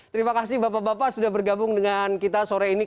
terima kasih bapak bapak sudah bergabung dengan kita sore ini